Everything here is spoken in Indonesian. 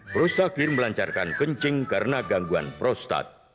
prostakir melancarkan kencing karena gangguan prostat